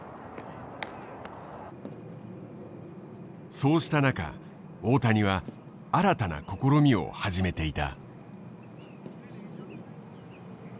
そうした中大谷は新たな試みを始めていた。